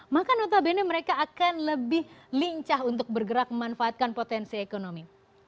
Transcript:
maka notabene mereka akan lebih lincah untuk bergerak memanfaatkan potensi ekonomi